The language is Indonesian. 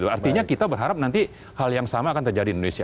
artinya kita berharap nanti hal yang sama akan terjadi di indonesia